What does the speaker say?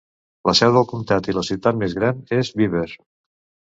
La seu del comtat i la ciutat més gran és Beaver.